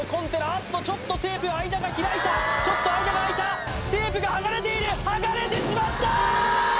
あっとちょっとテープの間が開いたちょっと間が空いたテープが剥がれている剥がれてしまったー！